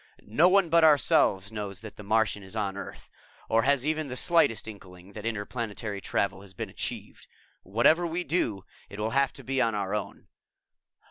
"No one but ourselves knows that the Martian is on Earth, or has even the slightest inkling that interplanetary travel has been achieved. Whatever we do, it will have to be on our own.